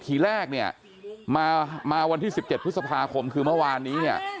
ทีแรกเนี่ยมาวันที่๑๗พฤษภาคมคือเมื่อวานนี้เนี่ย